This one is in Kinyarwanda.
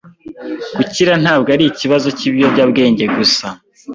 Gukira ntabwo ari ikibazo cyibiyobyabwenge gusa,